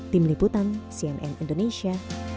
tim liputan cnn indonesia